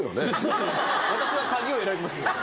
私は鍵を選びます。